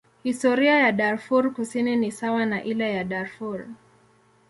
Historia ya Darfur Kusini ni sawa na ile ya Darfur.